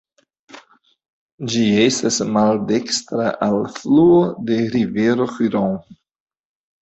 Ĝi estas maldekstra alfluo de rivero Hron.